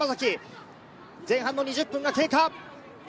前半の２０分が経過。